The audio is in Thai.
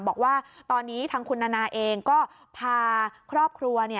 บอกว่าตอนนี้ทางคุณนานาเองก็พาครอบครัว